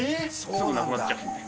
すぐなくなっちゃうので。